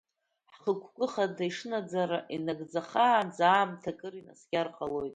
Ҳхықәкы хада ишынаӡара инагӡахаанӡа, аамҭа акыр инаскьар ҟалоит.